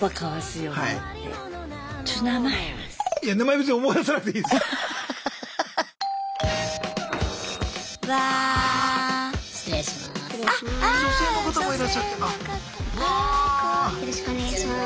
よろしくお願いします。